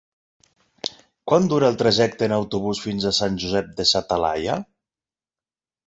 Quant dura el trajecte en autobús fins a Sant Josep de sa Talaia?